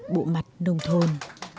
bộ mặt nông thôn